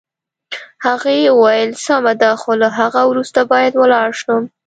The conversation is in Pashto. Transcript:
هغې وویل: سمه ده، خو له هغه وروسته باید ولاړه شم.